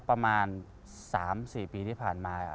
ประมาณสามสี่ปีที่ผ่านมา